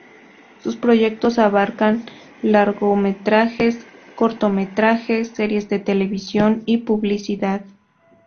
Sus proyectos abarcan largometrajes, cortometrajes, series de televisión y publicidad.